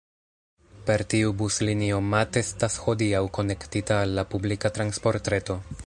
Per tiu buslinio Matt estas hodiaŭ konektita al la publika transportreto.